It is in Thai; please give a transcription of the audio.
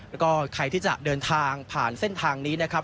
แล้วก็ใครที่จะเดินทางผ่านเส้นทางนี้นะครับ